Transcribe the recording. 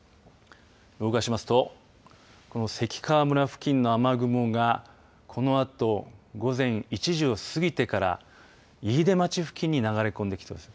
動かしますとこの関川村付近の雨雲がこのあと午前１時を過ぎてから飯豊町付近に流れ込んできています。